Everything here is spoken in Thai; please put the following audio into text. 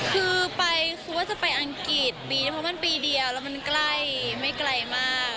คือไปคือว่าจะไปอังกฤษปีนี้เพราะมันปีเดียวแล้วมันใกล้ไม่ไกลมาก